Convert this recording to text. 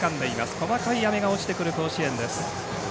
細かい雨が落ちてくる甲子園です。